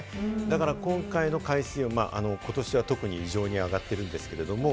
だから今回の海水温、ことしは特に異常に上がっているんですけれども。